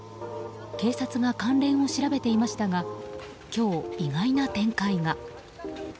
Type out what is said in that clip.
警察が関連を調べていましたが今日、意外な展開が。